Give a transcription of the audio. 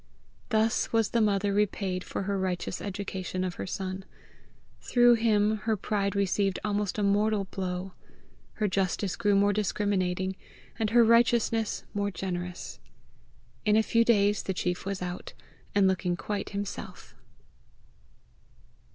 Thus was the mother repaid for her righteous education of her son: through him her pride received almost a mortal blow, her justice grew more discriminating, and her righteousness more generous. In a few days the chief was out, and looking quite himself.